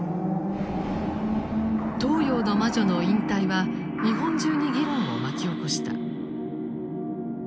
東洋の魔女の引退は日本中に議論を巻き起こした。